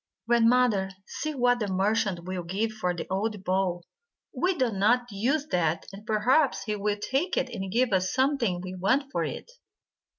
"Grandmother, see what the merchant will give for the old bowl. We do not use that, and perhaps he THE MERCHANT OF SERI will take it and give us something we want for it."